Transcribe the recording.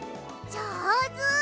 じょうず！